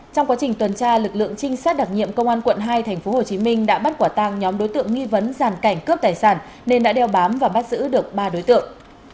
trong quá trình tuần tra lực lượng trinh sát đặc nhiệm công an quận hai tp hcm đã bắt quả tang nhóm đối tượng nghi vấn giàn cảnh cướp tài sản nên đã đeo bám và bắt giữ được ba đối tượng